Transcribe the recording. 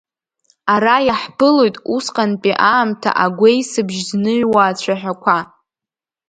Ара иаҳԥылоит усҟантәи аамҭа агәеисыбжь зныҩуа ацәаҳәақәа.